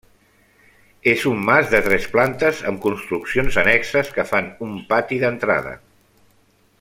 És un mas de tres plantes amb construccions annexes que fan un pati d'entrada.